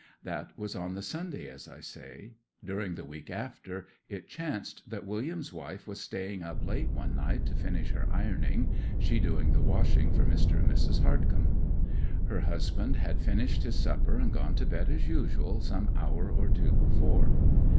That was on the Sunday, as I say. During the week after, it chanced that William's wife was staying up late one night to finish her ironing, she doing the washing for Mr. and Mrs. Hardcome. Her husband had finished his supper and gone to bed as usual some hour or two before.